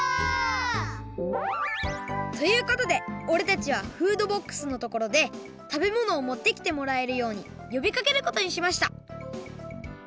オ！ということでおれたちはフードボックスのところで食べ物を持ってきてもらえるようによびかけることにしました